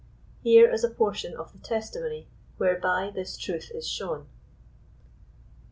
Here is a portion of the testimony whereby this truth is shown.